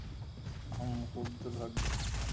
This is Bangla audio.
হুম, খুব দুর্ভাগ্য।